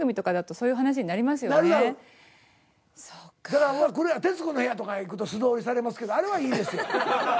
だから「徹子の部屋」とか行くと素通りされますけどあれはいいんですよ。